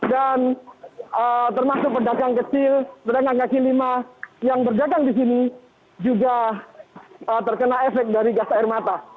dan termasuk perdagang kecil perdagang kaki lima yang berdagang di sini juga terkena efek dari gas air mata